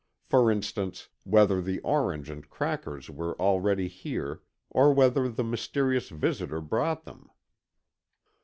For instance, whether the orange and crackers were already here, or whether the mysterious visitor brought them."